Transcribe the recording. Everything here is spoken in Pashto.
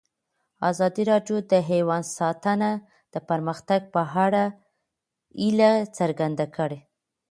ازادي راډیو د حیوان ساتنه د پرمختګ په اړه هیله څرګنده کړې.